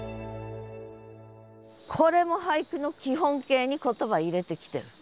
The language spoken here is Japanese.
これも俳句の基本形に言葉入れてきてる。